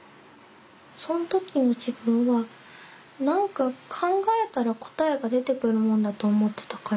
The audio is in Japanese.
その時の自分は何か考えたら答えが出てくるものだと思ってたから。